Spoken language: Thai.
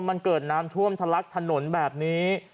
มันเกิดน้ำท่วมทะลักถนนแบบนี้